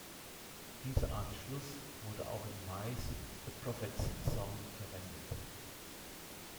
Diese Art Schluss wurde auch in Mays „The Prophet‘s Song“ verwendet.